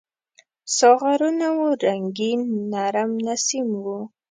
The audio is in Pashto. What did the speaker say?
ساغرونه وو رنګین ، نرم نسیم و